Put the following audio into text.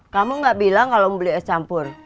kamu gak bilang kalau mau beli es campur